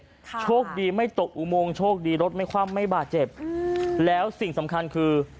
ค่ะโชคดีไม่ตกอุโมงโชคดีรถไม่คว่ำไม่บาดเจ็บอืมแล้วสิ่งสำคัญคือ